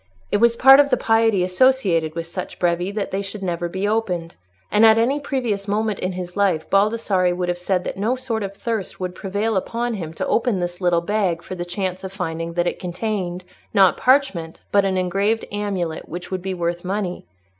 It was part of the piety associated with such brevi, that they should never be opened, and at any previous moment in his life Baldassarre would have said that no sort of thirst would prevail upon him to open this little bag for the chance of finding that it contained, not parchment, but an engraved amulet which would be worth money.